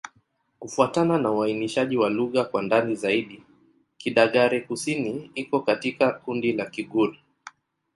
Kufuatana na uainishaji wa lugha kwa ndani zaidi, Kidagaare-Kusini iko katika kundi la Kigur.